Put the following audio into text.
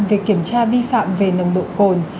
việc kiểm tra vi phạm về nồng độ cồn